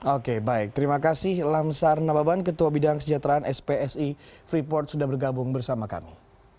oke baik terima kasih lamsar nababan ketua bidang kesejahteraan spsi freeport sudah bergabung bersama kami